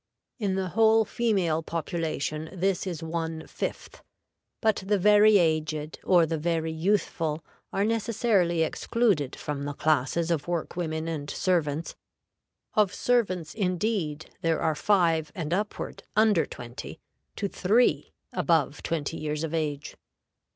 In the whole female population this is one fifth, but the very aged or the very youthful are necessarily excluded from the classes of work women and servants; of servants, indeed, there are five and upward under twenty to three above twenty years of age.